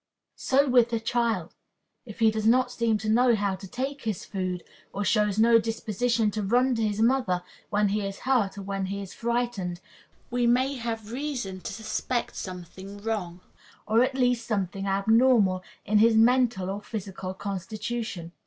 _ So with the child. If he does not seem to know how to take his food, or shows no disposition to run to his mother when he is hurt or when he is frightened, we have reason to suspect something wrong, or, at least, something abnormal, in his mental or physical constitution.